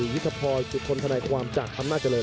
วิทยาพอร์สุทธนธนาความจากคำนาจเจริญ